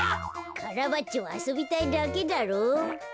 カラバッチョはあそびたいだけだろう。